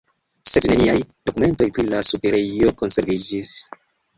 Sed neniaj dokumentoj pri la subterejo konserviĝis.